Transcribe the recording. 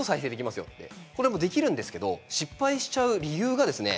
それもできるんですけれど失敗しちゃう理由がですね